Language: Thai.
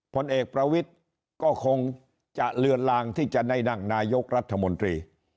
ผลเอกประวิทย์ก็คงจะเลือนลางที่จะได้นั่งนายกรัฐมนตรี